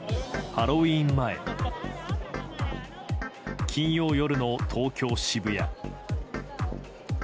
ハロウィーン前金曜夜の東京・渋谷。